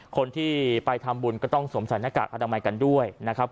คนที่ไปทำบุญก็ต้องสวมใส่หน้ากากอนามัยกันด้วยนะครับ